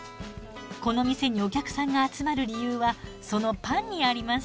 この店にお客さんが集まる理由はそのパンにあります。